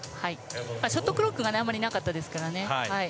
ショットクロックがあまりなかったですから。